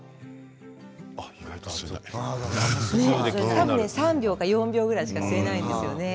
多分、３秒か４秒ぐらいしか吸えないんですよね。